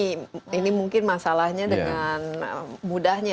jadi kita bisa mengaksesnya dengan mudahnya